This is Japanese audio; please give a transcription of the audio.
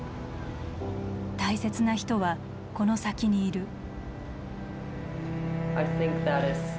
大切な人はこの先にいる。